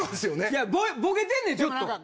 いやぼけてんねんちょっと。